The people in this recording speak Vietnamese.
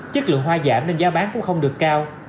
chất lượng hoa giảm nên giá bán cũng không được cao